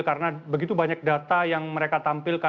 karena begitu banyak data yang mereka tampilkan